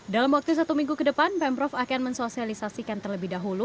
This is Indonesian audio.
dalam waktu satu minggu ke depan pemprov akan mensosialisasikan terlebih dahulu